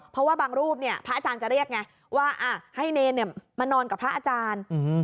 เพราะว่าบางรูปเนี่ยพระอาจารย์จะเรียกไงว่าให้เนรมานอนกับพระอาจารย์